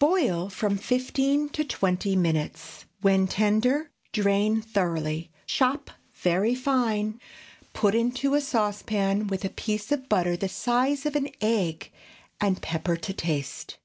Boil from fifteen to twenty minutes. When tender, drain thoroughly, chop very fine; put into a saucepan with a piece of butter the size of an egg, and pepper to taste.